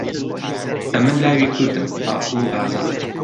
ئەمن لاوی کوردم، عاقڵ و ئازا.